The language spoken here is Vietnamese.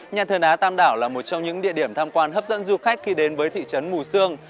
nhà thờ đá tam đảo là một trong những địa điểm tham quan hấp dẫn du khách khi đến với thị trấn mù sương